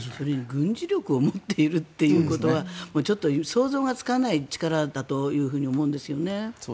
軍事力を持っているということはちょっと、想像がつかない力だと思うんですよね。